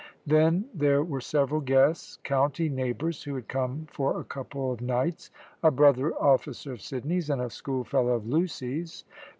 Then there were several guests, county neighbours, who had come for a couple of nights, a brother officer of Sidney's and a school fellow of Lucy's.